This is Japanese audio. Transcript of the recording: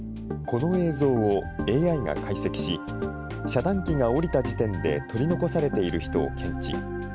この映像をＡＩが解析し、遮断機が下りた時点で取り残されている人を検知。